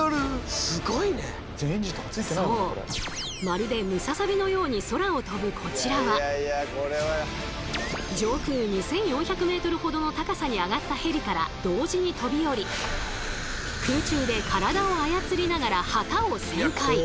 まるでムササビのように空を飛ぶこちらは上空２，４００ｍほどの高さに上がったヘリから同時に飛び降り空中で体を操りながら旗を旋回。